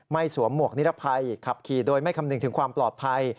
สวมหมวกนิรภัยขับขี่โดยไม่คำนึงถึงความปลอดภัย